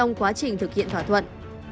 trong quá trình thực hiện thỏa thuận